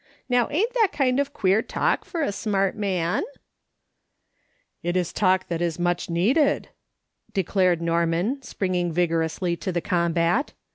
Now ain't that kind of queer talk for a smart man ?"" It is talk that is much needed/' declared Nor man, springing vigorously to the combat.